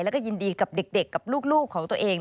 แล้วก็ยินดีกับเด็กกับลูกของตัวเอง